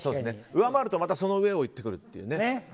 上回るとまたその上をいってくるというね。